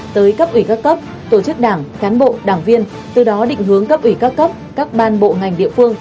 tới cấp ủy các cấp tổ chức đảng cán bộ đảng viên từ đó định hướng cấp ủy các cấp các ban bộ ngành địa phương